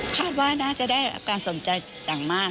คาดว่าน่าจะได้รับการสนใจอย่างมาก